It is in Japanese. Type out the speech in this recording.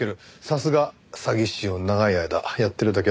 さすが詐欺師を長い間やっているだけありますね。